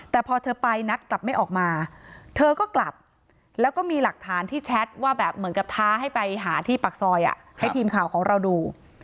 แต่พอเธอไปนัดกลับไม่ออกมาเธอก็กลับแล้วก็มีหลักฐานที่แชทว่าแบบเหมือนกับท้าให้ไปหาที่ปากซอยให้ทีมข่าวของเราดู